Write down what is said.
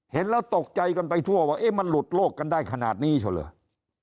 เห็นแล้วตกใจกันไปทั่วว่ามันหลุดโลกกันได้ขนาดนี้เช่าเหรอ